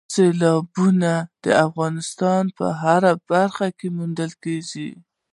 سیلابونه د افغانستان په هره برخه کې موندل کېږي.